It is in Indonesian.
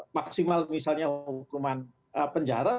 maksimal misalnya hukuman penjara